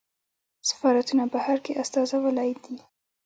سفارتونه په بهر کې استازولۍ دي